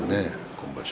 今場所。